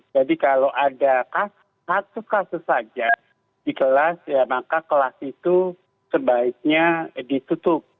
jadi kalau ada satu kasus saja di kelas ya maka kelas itu sebaiknya ditutup